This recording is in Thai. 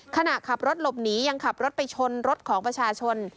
ขณะขับรถหลบหนียังขับรถไปชนรถของประชาชน